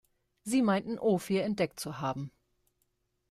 Sie meinten, Ophir entdeckt zu haben.